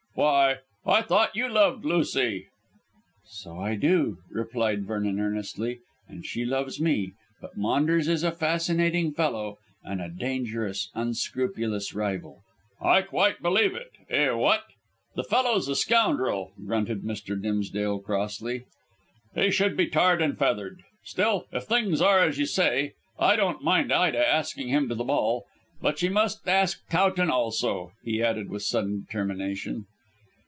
"Why, I thought you loved Lucy?" "So I do," replied Vernon earnestly, "and she loves me. But Maunders is a fascinating fellow and a dangerous, unscrupulous rival." "I quite believe it. Eh, what? The fellow's a scoundrel," grunted Mr. Dimsdale crossly. "He should be tarred and feathered. Still, if things are as you say, I don't mind Ida asking him to the ball. But she must ask Towton also," he added with sudden determination.